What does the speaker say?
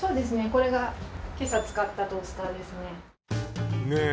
これが今朝使ったトースターですねねえ